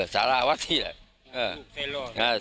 สาราวัดนี่แหละ